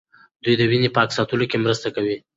دوی د وینې پاک ساتلو کې مرسته کوي.